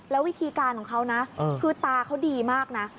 แล้ววิธีการของเขานะคือตาเขาดีมากนะ